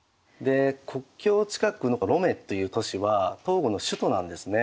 国境近くのロメっていう都市はトーゴの首都なんですね。